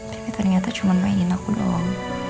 tapi ternyata cuma mainin aku doang